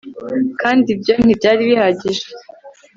Kandi ibyo ntibyari bihagije